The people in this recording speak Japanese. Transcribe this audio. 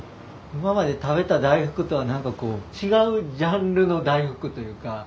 今まで食べた大福とは何かこう違うジャンルの大福というか。